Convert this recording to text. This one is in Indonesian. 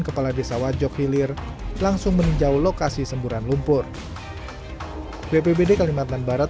kepala desa wajok hilir langsung meninjau lokasi semburan lumpur bpbd kalimantan barat